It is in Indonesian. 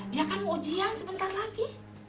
dia kan mau ujian sebentar lagi